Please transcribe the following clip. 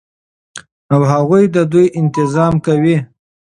او هغوى ددوى انتظام كوي